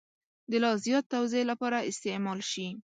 د لا زیات توضیح لپاره استعمال شي.